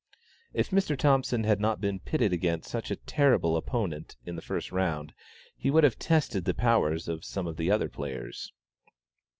If Mr. Thompson had not been pitted against such a terrible opponent, in the first round, he would have tested the powers of some of the other players.